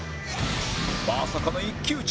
まさかの一騎打ち！